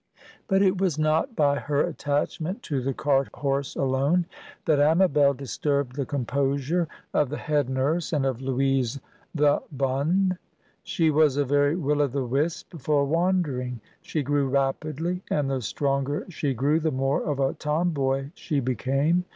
But it was not by her attachment to the cart horse alone that Amabel disturbed the composure of the head nurse and of Louise the bonne. She was a very Will o' the wisp for wandering. She grew rapidly, and the stronger she grew the more of a Tom boy she became.